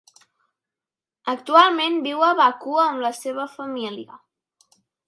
Actualment viu a Baku amb la seva família.